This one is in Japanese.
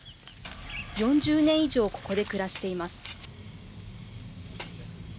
４０年以上ここで暮らしています。